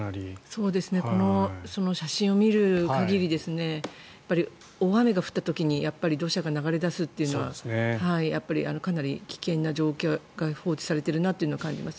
その写真を見る限り大雨が降った時に土砂が流れ出すというかなり危険な状況で放置されているなというのを感じます。